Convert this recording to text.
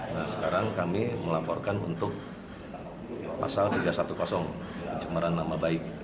nah sekarang kami melaporkan untuk pasal tiga ratus sepuluh pencemaran nama baik